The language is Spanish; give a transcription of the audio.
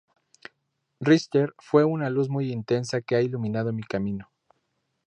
Richter fue una luz muy intensa que ha iluminado mi camino.